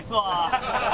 ハハハハ！